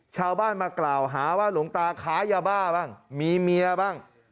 ชาวบ้านมากล่าวหาว่าหลวงตาค้ายาบ้าบ้างมีเมียบ้าง